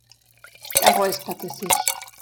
Er räusperte sich.